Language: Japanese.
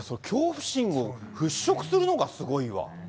恐怖心を払拭するのがすごいわ。